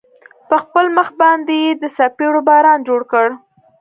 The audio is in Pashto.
په خپل مخ باندې يې د څپېړو باران جوړ كړ.